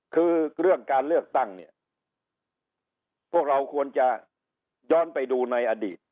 คือเรื่องการเลือกตั้งเนี่ยพวกเราควรจะย้อนไปดูในอดีต